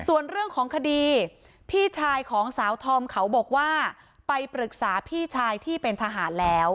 ส่วนเรื่องของคดีพี่ชายของสาวธอมเขาบอกว่าไปปรึกษาพี่ชายที่เป็นทหารแล้ว